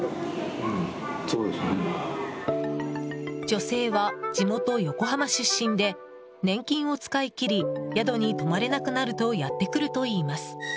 女性は地元・横浜出身で年金を使い切り宿に泊まれなくなるとやってくるといいます。